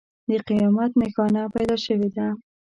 د قیامت نښانه پیدا شوې ده.